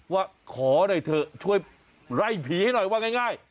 ว่าขอให้เธอช่วยไล่ผีให้หน่อยบ้างง่าย